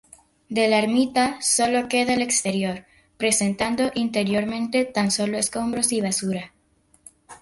De la ermita sólo queda el exterior, presentando interiormente tan sólo escombros y basura.